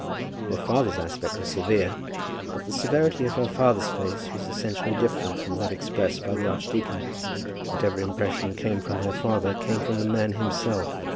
Her father's aspect was severe, but the severity of her father's face was essentially different from that expressed by the archdeacon. Whatever impression came from her father came from the man himself.